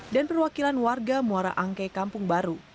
dan perwakilan warga muara angke kampung baru